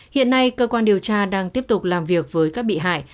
hiện nay cơ quan điều tra đang tiếp tục làm việc với các bị hại